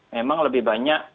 memang lebih banyak